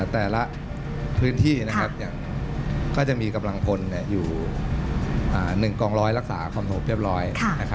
แต่ละพื้นที่ก็จะมีกำลังพลอยู่๑กองร้อยรักษาความสงบเรียบร้อย